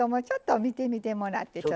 ちょっと見てみてもらって。